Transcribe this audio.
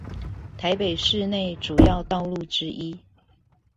台北市內主要道路之一